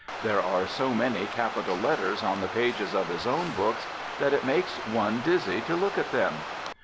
There are so many capital letters on the pages of his own books that it makes one dizzy to look at them.